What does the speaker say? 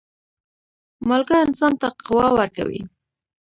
مالګه انسان ته قوه ورکوي.